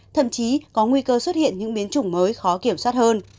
thậm chí có nguy cơ xuất hiện những biến chủng mới khó kiểm soát hơn